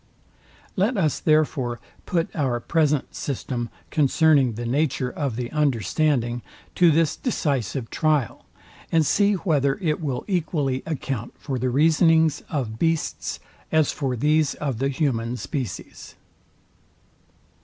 Let us therefore put our present system concerning the nature of the understanding to this decisive trial, and see whether it will equally account for the reasonings of beasts as for these of the human species.